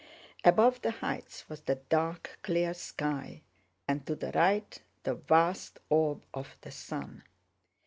Above the heights was the dark clear sky, and to the right the vast orb of the sun.